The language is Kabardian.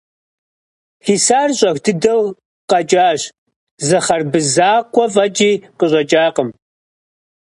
Хисар щӀэх дыдэу къэкӀащ, зы хъэрбыз закъуэ фӀэкӀаи къыщӀэкӀакъым.